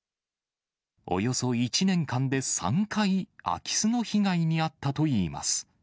およそ１年間で３回、空き巣の被害に遭ったといいます。